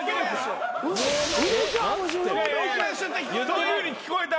そういうふうに聞こえた。